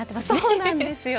そうなんですよ。